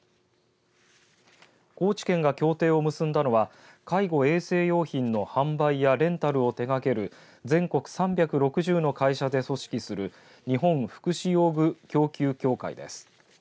高知県が協定を結んだのは介護、衛生用品の販売やレンタルを手がける全国３６０の会社で組織する日本福祉用具供給協会です。